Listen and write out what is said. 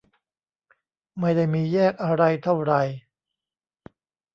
ไม่ได้มีแยกอะไรเท่าไหร่